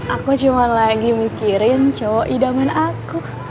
aku cuma lagi mikirin coba idaman aku